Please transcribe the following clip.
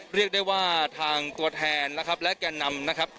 เรียกได้ว่าทางตัวแทนนะครับและแก่นำนะครับ